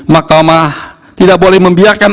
mahkamah tidak boleh membiarkan